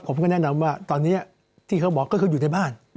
ผมก็แนะนำว่าตอนนี้ที่เขาบอกก็คืออยู่ในบ้าน